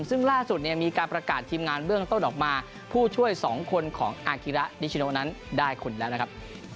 ซึ่งล่าสุดเนี่ยมีการประกาศทีมงานเบื้องต้นออกมาผู้ช่วย๒คนของอากิระนิชโนนั้นได้คนแล้วนะครับ